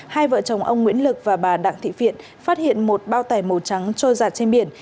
hai vợ chồng ông nguyễn lực và bà đặng thị phiện phát hiện một bao tải màu trắng trôi giặt trên biển